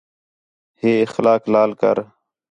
ہے اخلاق لال کر